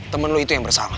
temen lo itu yang bersalah